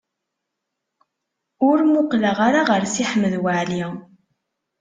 Ur muqleɣ ara ɣer Si Ḥmed Waɛli.